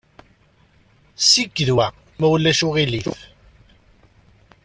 Ssiked wa, ma ulac aɣilif.